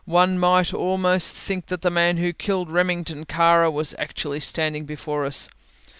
One might almost think that the man who killed Remington Kara was actually standing before us.